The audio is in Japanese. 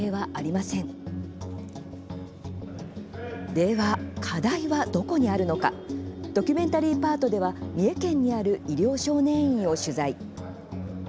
では課題はどこにあるのかドキュメンタリーパートでは三重県にある医療少年院を取材。